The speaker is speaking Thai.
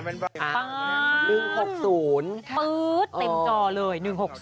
ปื๊ดเต็มจอเลย๑๖๐